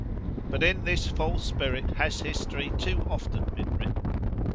But in this false spirit has history too often been written.